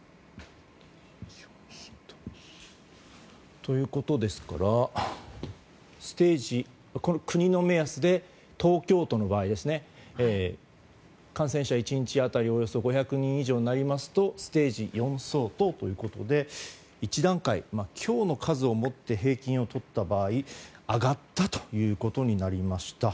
ということですから国の目安で東京都の場合は感染者１日当たりおよそ５００人以上になりますとステージ４相当ということで１段階、今日の数をもって平均をとった場合上がったということになりました。